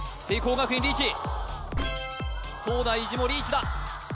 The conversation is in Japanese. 学院リーチ東大寺もリーチだ